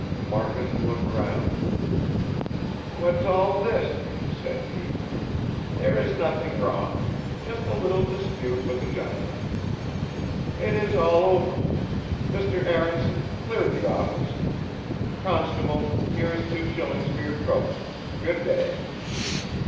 Marcus looked round. "What's all this?" said he. "There is nothing wrong, just a little dispute with a gentleman. It is all over Mr. Aaronson, clear the office. Constable, here is two shillings for your trouble. Good day."